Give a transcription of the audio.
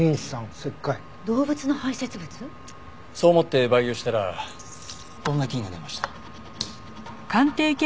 そう思って培養したらこんな菌が出ました。